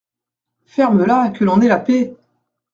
Ferme-la, que l’on ait la paix !